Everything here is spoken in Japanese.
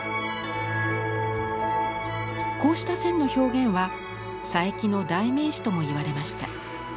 こうした線の表現は佐伯の代名詞ともいわれました。